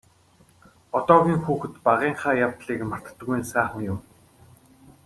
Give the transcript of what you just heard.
Одоогийн хүүхэд багынхаа явдлыг мартдаггүй нь сайхан юм.